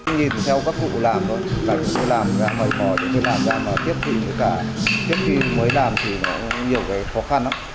nhìn theo các cụ làm thôi làm ra mấy mòi làm ra tiếp tục tiếp tục mới làm thì nhiều cái khó khăn lắm